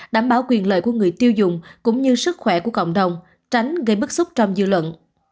đảm bảo quyền lợi của người tiêu dùng cũng như sức khỏe của cộng đồng tránh gây bức xúc trong dư luận